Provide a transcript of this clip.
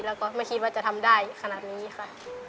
แล้วก็ไม่คิดว่าจะทำได้ขนาดนี้ค่ะ